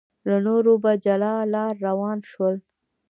له نورو په جلا لار روان شول.